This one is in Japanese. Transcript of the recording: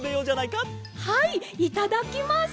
はいいただきます！